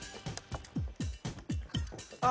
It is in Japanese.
あ。